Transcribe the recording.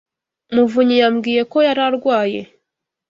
muvunyi yambwiye ko yari arwaye.